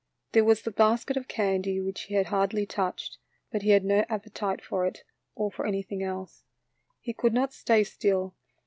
There was the basket of candy which he had hardly touched, but he had no appetite for it, or for anything else. He could not stay still.